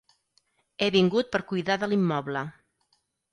He vingut per cuidar de l'immoble.